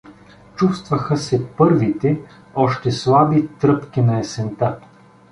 Чувствуваха се първите, още слаби тръпки на есента.